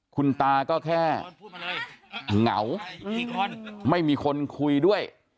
คุณตาก็แค่เหงาไม่มีคนคุยด้วย